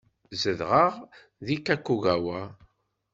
Zedɣeɣ deg Kakogawa.